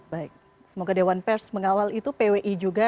baik semoga dewan pers mengawal itu pwi juga dan kita bertanggung jawab ya